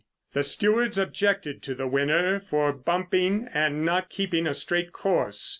"The stewards objected to the winner for bumping and not keeping a straight course.